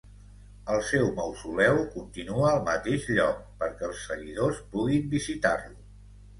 El seu mausoleu continua al mateix lloc perquè els seguidors puguin visitar-lo.